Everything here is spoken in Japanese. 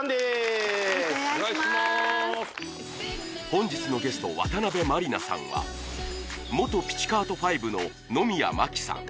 本日のゲスト渡辺満里奈さんは元ピチカート・ファイヴの野宮真貴さん